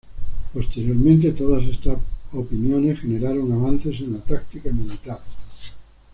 Posteriormente, todas estas opiniones generaron avances en la táctica militar.